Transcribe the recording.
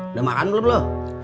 udah makan belum lo